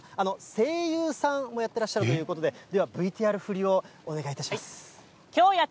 声優さんもやっていらっしゃるということで、ではＶＴＲ振りをお願いいたします。